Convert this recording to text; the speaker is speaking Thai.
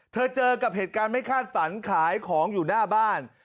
เจอกับเหตุการณ์ไม่คาดฝันขายของอยู่หน้าบ้าน